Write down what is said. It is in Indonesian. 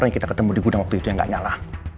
yang kita ketemu di gudang waktu itu yang nggak nyala